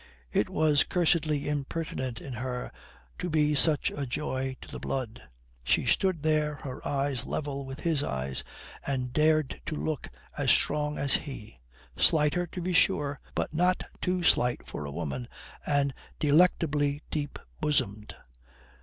It was cursedly impertinent in her to be such a joy to the blood. She stood there, her eyes level with his eyes, and dared to look as strong as he slighter to be sure, but not too slight for a woman, and delectably deep bosomed.